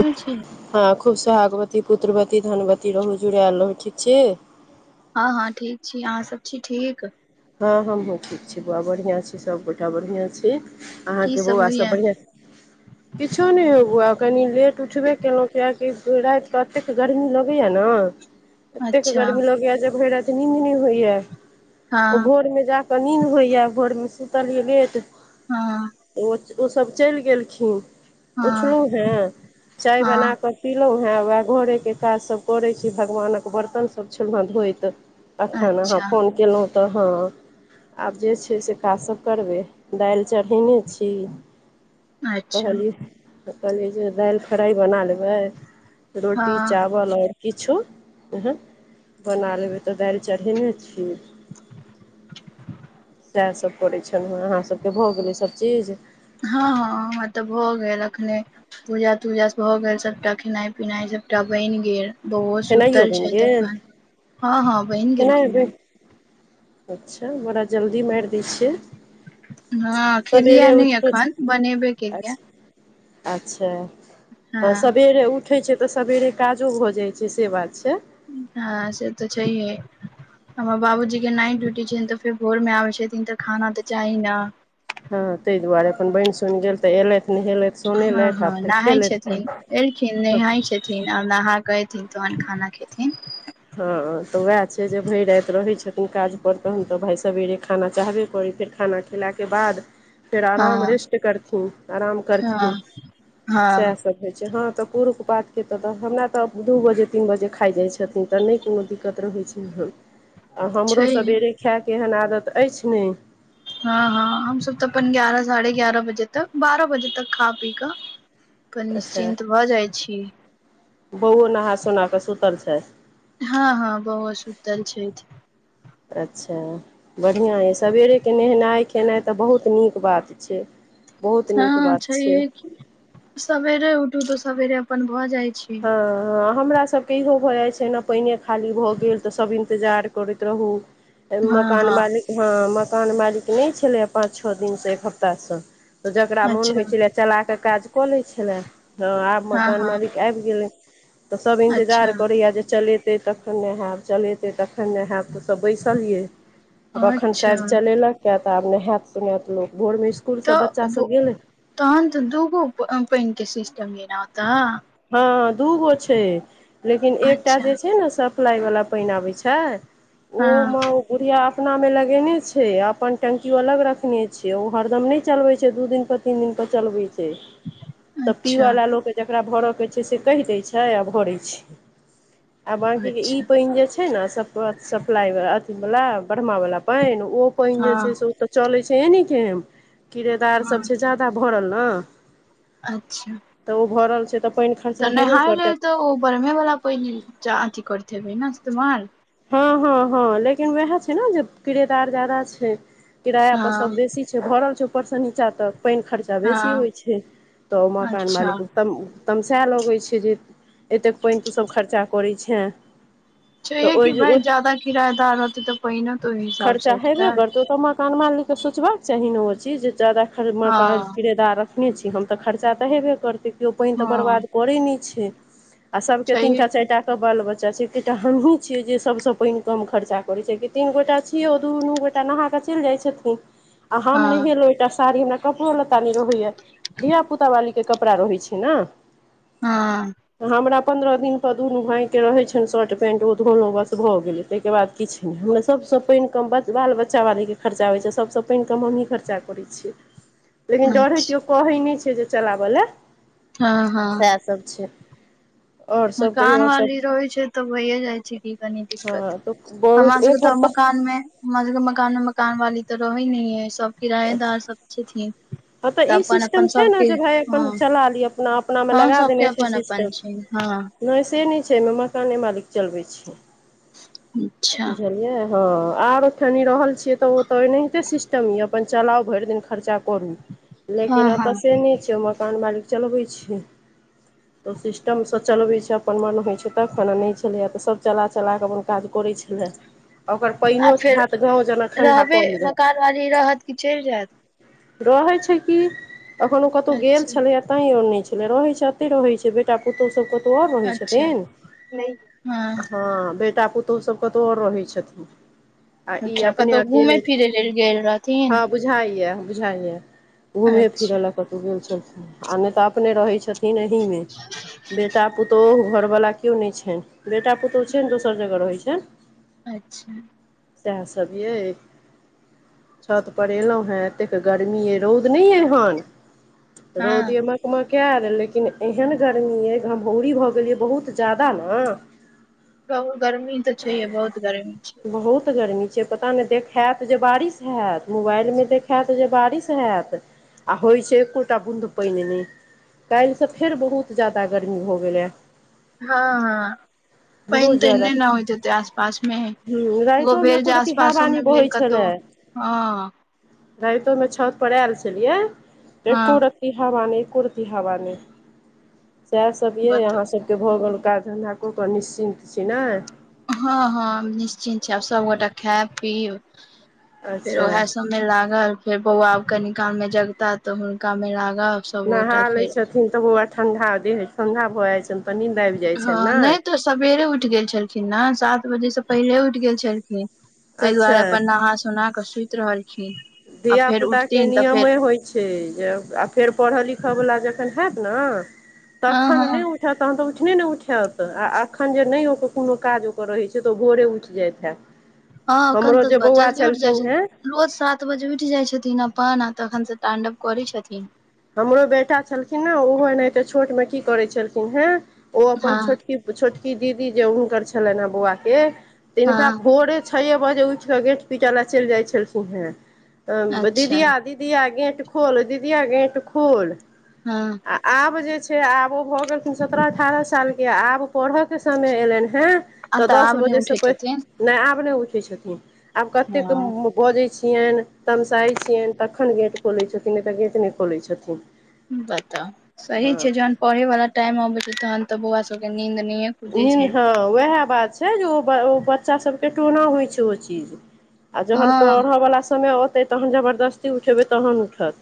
छी? हँ खूब सोहागवती पुत्रवती धनवती रहू जुड़ायल रहू ठीक छिये हँ हँ ठीक छी अहाँ सब छी ठीक हँ हमहुँ ठीक छी बौआ बढ़ियां छी सबगोटा बढ़ियां छै की अहाँके सब बौआ सभ होइया बढ़िआँ किछो नहि हेबौ आ कनि लेट उठबे केलहुँ कियकि रातिके एतेक गर्मी लगैएा ने एतेक अच्छा गर्मी लोगय जे भेट राइत नींद नी होईए ओ हँ भोरमे जा कऽ नीन्द होइए भोरमे सुतलय लेट हँ ओसभ चलि गेलखिन। हँ पुछलहुँ हेँ चाय हँ बनााकऽ पलहुँ हेँ वएह घरेके काजसभ करैत छी। भगवानक बर्तन सभ छलहु हँ। धोइत अखन अहाँ अच्छा फोन केलहुँ तऽ ह आब जे छै से काज सब करबै दाएल चरहैने छी अच्छा हँ कहलिये जे दाइल फ्राइ बना छि ह रोटी हँ चावल और किछु एहन बना लेबै तऽ दाएल चढ़ेने छीय इएहसभ करैत छल ह अहाँ सभके भऽ गेलै सब चीज ह ह हमर तऽ भऽ गेल अखने पूजा तूजास भ भऽ गेल। सभटा खेनाइ पिनाइ सभटा बनि गेल। खेनाइयो बौउओसुतल बनि छै। त गेल अखन हँ हँ बहिन खेनाइ गेलखिन बनि हे। अच्छा बड़ा जल्दी मारि दै छियै। हँ सबेरे खेलियै उठि नहि कऽ एखन बनेबे केलियै अच्छा अच्छा। हँ तऽ सवेरे उठे छैतऽ सवेरे काजो भ जाइत छै ठिके बात छै। हँ से तऽ सही हय हमर बाबूजी के न ड्यूटी छैन। तऽ फेर घोर मे आबे छथिन तऽ खाना तऽ चाही ने। हँ ताहि दुआरे अपन बनि सुनि गेल। तऽ एलथि नहेलथि सोनेलथि आ फेर खेलथि नहााय छथिन आओर नहा गेक एथिनतहन खाना खेथिनह‌थिन हँ तऽ उएह छै। जे भरि राति रहै छथिन। काज पर तहन तऽ भाय सबेरे खाना चाहबे करी फेर खाना ख खेलाके बाद फेर आराम हँ रेस्ट करथिन आराम हँ करथिन। हँ सएह सब होइ छै। हँ तऽ पुरुखपातर छतथिनह महिला तऽ दू बजे तीन बजे खाइ जाइ छथिन। तऽ नहि कोनो दिक्कत रहै छै। हन आ हमरो छै सबेरे खायके एहन आदत अछि। नहि हँ हँ हमस तऽ अपन ग्यारह साढ़े ग्यारह बजे तक बारह बजे तक खा पी कऽ पर अच्छा निश्चिन्त भऽ जाइत छी। बौओ नहा सोनाकऽ सुतल छै। हँ हँ बहुत सुतल छै। अच्छा। बढ़िआँ यए सवेरेके नहेनाइ खेनाइ तऽ बहुत नीक बात छै। बहुत नीक हँ छै। बात यहे क सवेरे उठू तऽ सवेरे अपन भऽ जाइ छै। ह हमरासके इहो भऽ जाइत छै। ने पानिए खाली भऽ गेल। तऽ सभ इन्तजार करैत रहू। हँ मकान हँ मालिक हँ मकान मालिक नहि छलैए। पाँच छओ दिनसँ एक हफ्तासँ। त जेकरा मोन अच्छा होइ छलै। चला के काज कऽ ले छले। ह आब हँ मकान हँ मालिक आबि गेलै। तऽ सब अच्छा इन्तजार करैया जे चले ेतै तखन ने हयब चलेतै तखन ने होयब तऽसभ बैसलियै। आब अखन अच्छा साइदचलेलक यंऐह तऽ आब नहायत सुोनायत लोक भोर मिस तऽ तहन तऽ दूगो पानि के सिस्टम लेनाई होताय हँ दूगो छै। लेकिन एकटा अच्छा जे छै। ने सप्लाइवला पानि आबैत छै। हँ ओमे अपनामे लगेने छै। अपन टंकियो अलग रखने छै। ओ हरदम नहि चलबै छै। दू दिन पर तीन दिन पर चलबे छै। तब अच्छा पीला लोक के जेकरा भर छै। कहि दै छै। आ भरै छै। आ बाँकीे ई अच्छा पानि जे छै। ने सप्लाई अथी वाला बढ़मा वाला पान ओ पानि जे छै। हँ से चलै छै। ए ने के हँ किरेदारसभ छै। जा्यदाा भरल ने। अच्छा। तऽ ओ भऽ रहल छै। तऽ पानि तऽ खर्चा हेबे नहााय करतै लेल तऽ ओ बरमे वाला पहि अथी करतेै ने इस्तेमाल हँ हँ हँ लेकिन उएह छै ने जे किरेदार जादा छै, किराया पर सब हँ बेसी छै भरल छै ऊपर सऽ नीचा तक पानि खर्चा तऽ बेसी हँ होइ छै तऽ मकान अच्छा मालिक तम तमसायए लगै छै जे एतेक पानि तु सभ खर्चा करैत छ, सेहे कि भई ज्याददा किराएदार रहतै। तऽ पहि ने खर्चा हैबे करते उ तऽ मकान मालिक तऽ सोचबाक चाही ने ओ चीज जे जादा ख हँ मकान किरेदार एखने छी। हम तऽ खर्चा तऽ हेबे करतै। केओ पानि तऽ हँ बर्बाद करै नहि छै। आ सभके छैहे तीनटा चार कि टा बाल बच्चा छै एकटा हमहीं छियै जे सबस पानि कम खर्चा करे छै तीन गोटा छिए उ दूनू गेटा नहाय कऽ चैल जायत छथिन आ हम हँ नहेलू एकटा साड़ी हमरा कपड़ो लत्ता न रहैया धिय पुता वाली के कपड़ा रहै छै ने, हँ। हमरा पन्द्रह दिनपर दुनू भायके रहैत छनि शर्ट पैंट ओ धोलो बस भऽ गेलै ताहिके बाद किछु नहि हमरा सबसँ पानि कम बाल बच्चावालीके खर्चा होइ छै सभसँ पानि कम हमहीँ खर्चा करैत छियै, लेकिन डरै अच्छा केओ कहै नहि छै जे चलाबय लए हँ हँ। सब छै। मकान वाली रहै छै तऽ होहिए जाइ छै कि कनी दिक्कत हँ तऽ हमरा बहुत सबके एक तऽ हफ्ता मकान हमर सबके मकानो मकान वाली तऽ रहै नहि है सब किरायेदार सब अच्छे ी हँ तऽ ई सिस्टम छै ने जे भााय अपन चला ली अपना अपनामे हँ लगा सबके देने छै अपन अपन सिस्टम छै हँ नहि से नहि छै एहिमे मकाने मालिक चलबै छै, [unintelligible] बुझलियिया हँ आरठनि रहल छियै तऽ ओ तऽ एनाहिते सिस्टम यऽ अपन चलाउ भरि दिन खर्चा करू लेकिन हँ हँ एतय से नहि छै ओ मकान मार चलबै छै, तऽ सिस्टमसँ चलबै छै अपन मन होइ छै तख खना नहि छलैएा तऽ सभ चला चला कऽ अपन काज करैत छै, [unintelligible] ओकर आ पाननोो फेर हयत गाँव जेना ठं्डा रहबै कल जा मकान वाली रहत कि चलि जायत रहै छै कि, एखन ओ कतहु गेल अच्छा छलैया तां आऔर नहि छले रहै छै एते रहै छै बे बेटा पुतहु सब कतउ आओर रहै अच्छा छथिन हँ बेटा पुतहु सब कतौ आओर रहै छथिन ई अच्छा अपने कतहु घुमै अकेले फिरै लेल गेल रहथिन हँ बुझाइया बुझाइया घूमे फिरे अच्छा लऽ कतौ गेल छलन आ नहि तऽ अपने रहै छथिन एहि मे बेटा पुतो घरवलाा क केओ नहि छनि बेटा पुतहु छनि दोसर जगह रहैत छनि अच्छा सएह सब यै, छत पर एलहुं हें एतेक गर्मी ये रौद नहि य हन रौद हँ म मक लेकिन एहन गरमी अइ घमहौरी भऽ गेलियै बहुत ज्यादा ने कहु गर्मी तऽ छैहे बहुत गर्मी छै, बहुत गरमी छै पता नहि देखत जे बारिश हैत मोबाइलमे देखत जे बारिश हैत आ होइ छै एकोटा बुन्दू पाइन नै काइल सँ फेर बहुत ज्यादा गर्मी भऽ गेलैए। हँ हँ पाइन बहुत ताइन ज्यादा नय नऽ होइत आस पास मे ह एगो राइतो मे भेल एको जे आस रति हवा पासो मे भेल कतहु हँ, रातोमे छत पर आयल छलियै हँ एको र ती हवा नय एको रती हवा नइ सै सोचियै बतो अहाँ सब केँ भऽ गेल काज धन्धा कऽ कऽ निश्चिन्त छी नै हँ, हँ हम निश्चिन्त छी आब सबगोटा खाय-पीब फेर अच्छा ओहै सब मे लागल, फेर बौआ आब कनि काल मे जगता तऽ हुनका मे लागब नहा सबगोटा ले फेर छथिन तऽ बौआ ठंडा देह ठंडा भऽ जाय छनि त नीन्द आइब जा हँ नय तऽ सेबेरे उठि गेल छलखिन ने सात बजेसँ पहिले उठि गेल छलखिन ताहि अच्छा दुआरे अपन नहा सोना कऽ सुति रहलखिन आ धिय फेर पुता केँ उठथिन तऽ नियमे फेर होइ छै जे आ फेर पढ़ऽ लिखऽ वला जखन हयत नऽ हँ तखन नै हँ उ उठत तहन तऽ उठने नइ उठत आ एखन जे नय ओकर कोनो काज ओकर रहैत छै तऽ ओ भोरे उठि जाइत हैत हँ एखन हमरो जे तऽ बौआ जल्दी उठि जाइ छलखिन छथिन हेँ रोज सात बजे उठि जाइ छथिन अपन आ तखन सँ टाण्डव करै छथिन हमरो बेटा छलखिन नऽ ओहो एनाहिते छोट मे की करे छलखिन हे ओ अपन हँ छोटकी ओ छोटकी दीदी जे हुनकर छलनि हे बौआ केँ किनका हँ भोरे छ बजे उठ केँ गेट पिटे ला चैल जाइ छलखिन हे। अच्छा दीदिया, दी दीया गेट खोल, दीदीया गेट खोल हँ आ आब जे छै आबो ओ गेलखिन सत्रह-अठारह साल केँ आब पढ़य केँ समय एयलनि हेँ आ तऽ दस आब नहि बजेसँ उठैत पै, हेथिन नै आब नै उठै छथिन। आब कतेक हँ बजैत छियैन, तमसाइ छियैन तखन गेट खोलै छथिन नइ तऽ गेट नइ खोलै छथिन बताउ, सही हँ छै जहन पढ़े वाला टाइम आबे छै तहन तऽ बौआ सब केँ नीद नहिये खुजै छै नीन्द, हँ ओहै बात छै जे ओ ब ओ बच्चा सबकेँ टोना होइ छै ओ चीज आ हँ जहन पढ़यवला समय औतै तहन जबरदस्ती उठेबै तहन उठत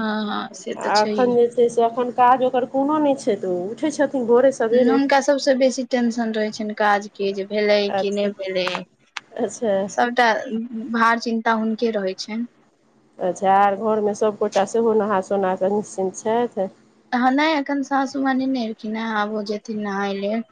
हँ हँ से तऽ आ छैहे एखन जे छै से एखन काज ओकर कोनो नइ छै तऽ ओ उठै छथिन भोरे सँ हुनका सबस बेसी टेंशन रहै छैन काज की जे भेलै कि नय अच्छा भेलै। अच्छा सब टा भार, चिन्ता हुनके रहै छैन अच्छा आर घरमे सभगोटा सेहो नहा सोना कऽ निश्चिन्त छथि हँ नइ एखन सासू माँ नय नऽ एलखिन हँ आब ओ जेथिन नहाय लेल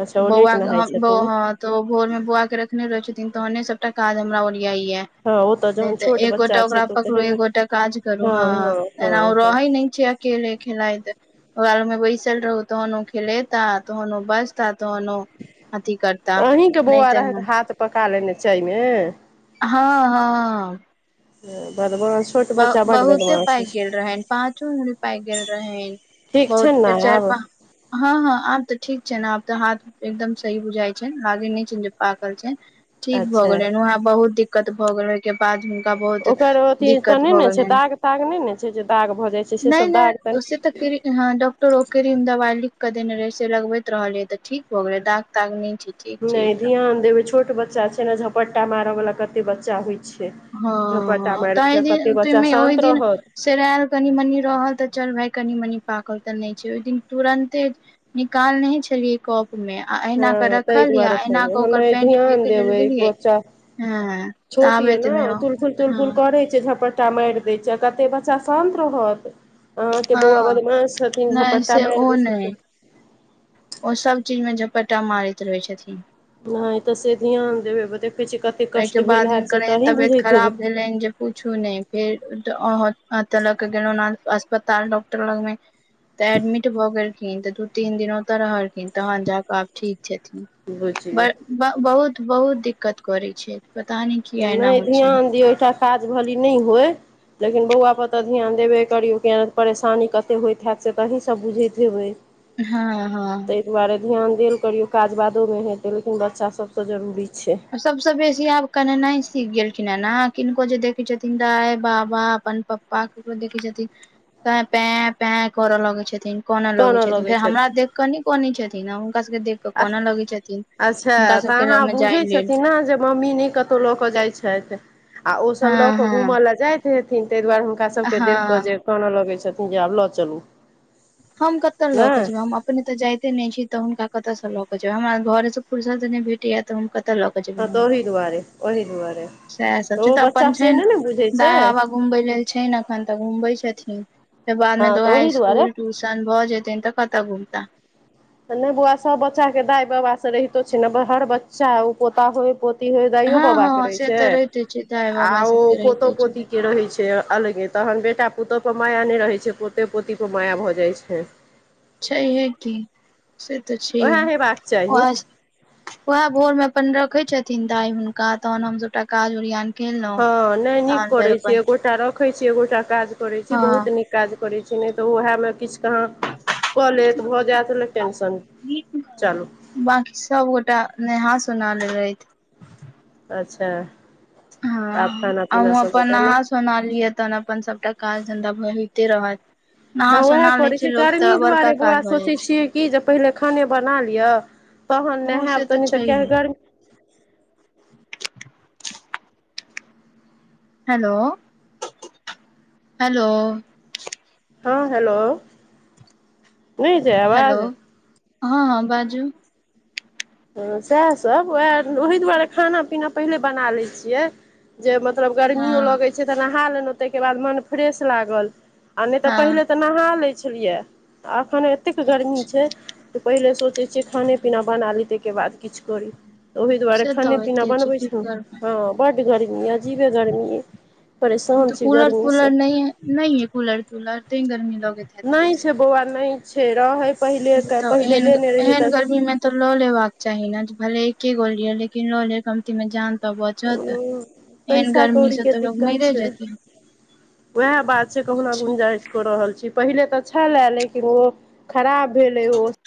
अच्छा ओ लेट बौआ केँ नहाय हम ब छथिन ने हँ तऽ ओ भोर मे बोआ केँ रखने रहे छथिन तहने सबटा काज हमरा ओरिया ये हँ ओ नय जहन तऽ छोट एक बच्चा गोटा छै ओकरा तऽ ओ तऽ पकड़ू एक हेबे गोटा काज करू हँ, एना ओ रहै नय छै केेले खेलाइत। बगालमे बैसल रहू तहन ओ खेलेता तहन ओ बजता तहन ओ अथी कर अही केँ बौआ रहैथ, हाथ पका लेने चायमे हँ हँ हँ बदमाश छोट ब बच्चा बड बहुते बदमाश होइ पायक गेल छै रहेैन पाँचो उड़ी पायक गेल रहेैन ठीक छै बहुत फेर ने चारि आब प हँ हँ आब तऽ ठीक छैन आब तऽ हाथ एकदम सही बुझााय छै लागे नय छै जे पाकल छै ठीक भऽ अच्छा गेलैन वहाँ बहुत दिक्कत भऽ गेल ओहिके बाद बहुत ओकर अथी तऽ दिक्कत नय भऽ ने छै, गेलनि दाग-ताग नय ने छै जे दाग भऽ जाइत छै से नहि सब नहि से दाग-ताग तऽ क्र ह डॉक्टर ओ क्रीम दवाई लिख के देने रहे से लगबैत रहले तऽ ठीक भ गेले दाग-ताग नय छै ठीक छै नय एकदम ध्यान देबै छोट बच्चा छै ने, झपट्टा मारयवला कते बच्चा होइ छै हँ झपट्टा हँ मारि दै ताहि छै जे कते आते बच्चा में ओहि शान्त दिन रहत सेरायल कनि-मनी रहल तऽ चल भाय कनी-मनी पाकल तऽ नय छै। ओहि दिन तुरंते निकालनहि छलियए कोप मे अहिना कऽ हँ ताहि रखल यै दुआरे अहिना कहियौ कऽ ओकर ओनाहि पेंट ध्यान फेेकैइ लेल देबै गेलियै बच्चा हम्म छोट ताबै ये तुलफुल -तुलफुल करै छै झपटटा मारि दै छै कते बच्चा शान्त रहत। अहाके बौआ हँ बदमास हतिन नहि झपट्ता से मैर ओ दइ नहि छथिन। ओ सब चीज मे झपटा मारैत रहै छथिन। नय तऽ से ध्यान देबै देखैत छी कत एहिके बाद हिनकर एहन तबियत खराब भेलनिन जे पुछु नय फेर ड अ अ अत ल गेलों अ अस्पताल डॉक्टर लग मे तऽ एडमिट भऽ गेलखिन तऽ दू तीन दिन ओतय रहलखिन तहन जााकऽ आब ठीक छथिन बुझिये ब बहुत बहुत दिक्कत करै छै पता नय क नय ध्यान दियौ एकटा काज भली नय होय लेकिन बौआ पर तऽ ध्यान देबे करियौ कियाऽ परेशानी कते होइत हैत से तऽ अहिसब बुझैत हेबै। हाँ ह। ताहि दुआरे ध्यान देल करियौ काज बादोमे हेतै लेकिन बच्चा सभसँ जरूरी छै। सबस बेसी आब कनेनाय सीख गेलखिन हऽ ने किनको जे देखे छथिन दाइ -बाबा अपन प्प पापा ककरो देखै छथिन त पे पे करऽ लगै छथिन कोनऽ लगै छथिन फेर हमरा देख कऽ न कने छथिन हुनका सबके देख आ कोनऽ लगै छथिन हुनका सब के लगमे बुझैय छथिन नऽ जे म्ममी नै कतुउ लॉ कऽ जाइ छैथ आ अ सब लॉ हँ कऽ धुमअ हँ ला जैत थिन ताहि दुआरे हुनका सबके देख कऽ हँ जे कने लगैत छथिन जे आब लऽ चलू। हम कत लऽ केऽ नहि जेबै हम अपने तऽ जायइते नय छी त हुनका कतऽ स लऽ के जाबै हमर घर स फुरसत नै भेटय तऽ हम क तऽ लऽ कऽ जेबै नऽ। ताई दुआारे। ओहि दुआरे। सएह सब छै ओ तऽ अपन बच्चा से छैन नहि ने बुझै छै दाइबाबा घुमबै लेल छै ने एखन तऽ घुमबै छथिन। फेर हँ बादमे तऽ ओहि वाइट दुआरे इस्कुल -टूशन भऽ हऽ जेतेै तऽ कतह धुमता। तऽ नय बौआ सब बच्चा के दाइ बाबा से रहितो छै ने हर बच्चा ओ पोता होय पोऽ हे दाइयो हँ बाबा के हँ रहे से तऽ रहिते दाइ छै बाबा आओ सबके रहिते पोतो-पोती छै के रहे छै। से अलगे तहन बेटा-पुतहु पर माया नय रहैत छै पोते पोती पर माया भऽ जाइत छै। छै है की से तऽ छै ह उएह हेबाक चाही आ वएह भोर मे अपन रखै छथिन ताइ हुनका तहन हम सभटा काज ओरियान केलहुँ हँ नै नीक तहन करै फेर अपन छिय गोटा रखै छी एगोटा काज करै छी बहुत हँ नीक काज करैत छी नै तऽ उएहमे किछु कहाँ। कऽ लेत भऽ जायत नै टेंशन चलू। बांकी सब गोटा नेहा सुना लेेबैथ। अच्छा। आब हँ खाना पीना अहुँ सब अपन गोटा नहि नहा सु सोना लिय तहन अपन सबटा काज धन्दा भइते तेरह। हँ उएह करै छै गर्मी बड़का दुआरे बौआ काज भऽ जाइ सोचै छै छियै। की जे पहिले खाने बना लिअ तहन हँ से नहायब तऽ तनी नै त छैहे गर्मी हेलो हेलो। हँ हेलो। नहि जाय हेलो आवाज हँ हँ बाजू। हँ सएहसब उएह ओही-दुआरे खाना पीना पहिले बना लैइ छियै। जे मतलब हँ गर्मियो लगै छै तऽ नहा लेलौ ताहिकेबाद मन फ्रेश लागल। आ नै तऽ पहिले हँ तऽ नहा लै छलिया एखन एतेक गर्मी छै। तऽ पहिले सोचै छियै खाने पीना बना ली ताईके बाद किछु करी। ओहि दुआरे से तऽ खाने पीना होइते छै बनबै की छलौ करबै हँ बड गर्मी अजीबे गर्मी। परेशान छी गर्मीसँ। नै एइ कूलर-तुलर तै गर्मी लगैत। हैत नै बेसी छै बौआ नै छै रहै पहिले एकटा बताउ पहिले एहन लेने रहियै एहन तऽ। गर्मी मे तऽ ल लेबाक चाही। न भले एके गो लिय लेकिन ल लिय कमती मे जान तऽ बचत एहन पैसा गर्मीसँ कौड़ीके तऽ लोक मैरे जेतै वएह बात छै कहुना गुंजाइस। कऽ रहल छी पहिले तऽ छेला लेकिन ओ खराब भेलै ओ।